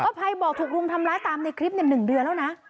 ภัยบอกถูกรุมทำร้ายตามในคลิป๑เดือนแล้วนะ